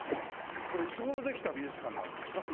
これいつ頃できた美術館なんですか？